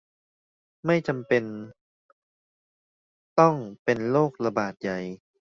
ไม่จำเป็นต้องเป็นโรคระบาดใหญ่